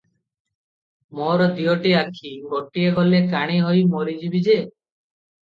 ମୋର ଦିଓଟି ଆଖି; ଗୋଟିଏ ଗଲେ କାଣୀ ହୋଇ ମରିଯିବି ଯେ ।